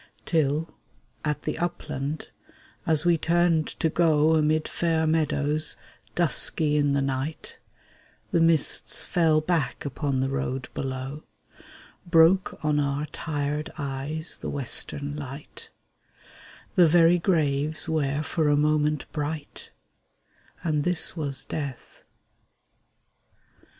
Till, at the upland, as we turned to go Amid fair meadows, dusky in the night, The mists fell back upon the road below; Broke on our tired eyes the western light; The very graves were for a moment bright: And this was Death.